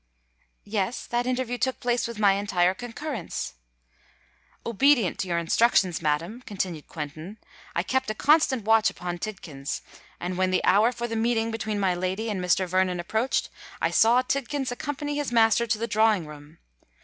"Yes—that interview took place with my entire concurrence," observed Eliza. "Obedient to your instructions, madam," continued Quentin, "I kept a constant watch upon Tidkins; and when the hour for the meeting between my lady and Mr. Vernon approached, I saw Tidkins accompany his master to the drawing room.